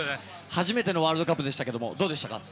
初めてのワールドカップでしたがどうでしたか？